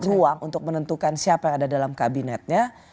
ruang untuk menentukan siapa yang ada dalam kabinetnya